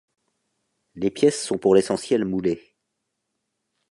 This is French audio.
Les pièces sont pour l'essentiel moulées.